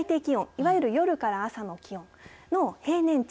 いわゆる朝から夜の気温の平年値